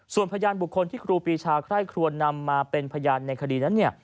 ส่วนพยานบุคคลที่ครูปีชาใคร่ครวนนำมาเป็นพยานในคดีนั้น